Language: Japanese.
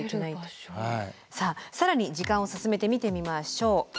さあ更に時間を進めて見てみましょう。